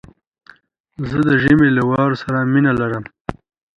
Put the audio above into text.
زه د ژمي له واورو سره مينه لرم